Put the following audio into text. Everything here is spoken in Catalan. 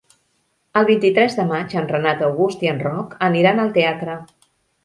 El vint-i-tres de maig en Renat August i en Roc aniran al teatre.